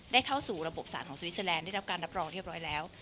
เข้าสู่ระบบสารของสวิสเตอร์แลนดได้รับการรับรองเรียบร้อยแล้ว